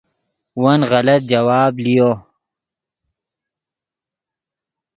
ون غلط جواب لیو